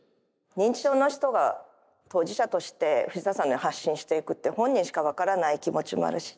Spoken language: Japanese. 認知症の人が当事者として藤田さんのように発信していくって本人しか分からない気持ちもあるし